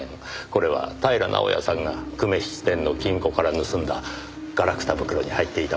これは平直哉さんが久米質店の金庫から盗んだガラクタ袋に入っていたものですね？